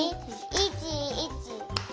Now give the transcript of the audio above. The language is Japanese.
１１！